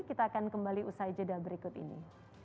kita akan kembali usai jeda berikut ini